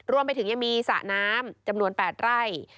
รวมไปถึงยังมีสระน้ำจำนวน๘ไร่